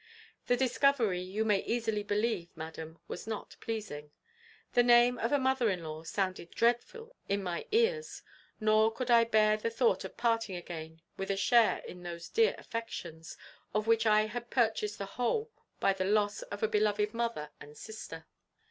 The discovery you may easily believe, madam, was not pleasing. The name of a mother in law sounded dreadful in my ears; nor could I bear the thought of parting again with a share in those dear affections, of which I had purchased the whole by the loss of a beloved mother and sister.